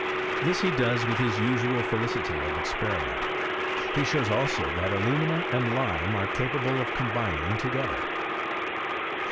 Tliis he does with his usual felicity of experiment. He shows, also, that alumina and lime are capable of combining together.